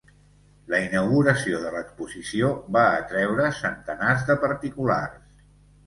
La inauguració de l’exposició va atreure centenars de particulars.